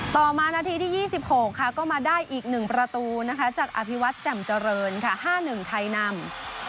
ต่อมานาทีที่๒๖ก็มาได้อีก๑ประตูจากอภิวัติจำเจริญ๕๑ไทยนำ